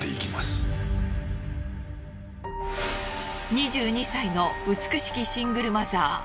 ２２歳の美しきシングルマザー